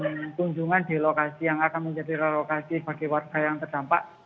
dan kunjungan di lokasi yang akan menjadi relokasi bagi warga yang terdampak